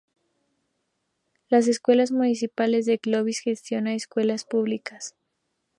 Las Escuelas Municipales de Clovis gestiona escuelas públicas.